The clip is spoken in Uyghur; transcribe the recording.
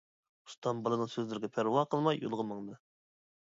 ئۇستام بالىنىڭ سۆزلىرىگە پەرۋا قىلماي يولىغا ماڭدى.